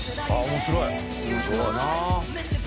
「面白いな」